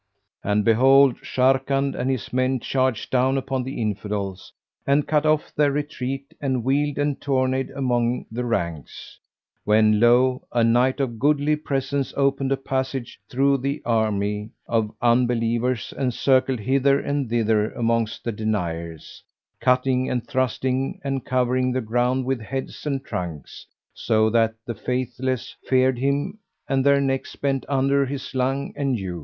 And behold, Sharrkan and his men charged down upon the Infidels and cut off their retreat and wheeled and tourneyed among the ranks; when lo! a knight of goodly presence opened a passage through the army of Unbelievers and circled hither and thither amongst the Deniers, cutting and thrusting and covering the ground with heads and trunks, so that the Faithless feared him and their necks bent under his lunge and hew.